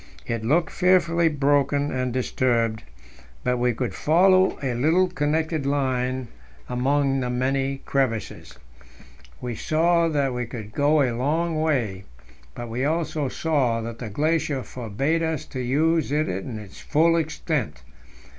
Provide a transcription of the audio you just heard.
It looked fearfully broken and disturbed, but we could follow a little connected line among the many crevasses; we saw that we could go a long way, but we also saw that the glacier forbade us to use it in its full extent.